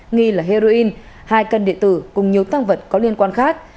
nghi là heroin hai cân điện tử cùng nhiều tăng vật có liên quan khác